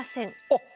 あっ！